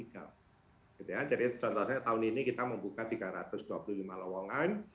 jadi contohnya tahun ini kita membuka tiga ratus dua puluh lima lowongan